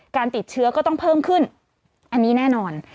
การติดเชื้อก็ต้องเพิ่มขึ้นอันนี้แน่นอน